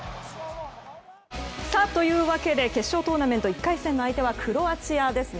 というわけで決勝トーナメント１回戦の相手はクロアチアですね。